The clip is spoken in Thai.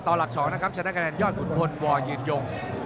ต่อหลักสองนะครับชนะคะแนนยอดขุนพลวหยินยง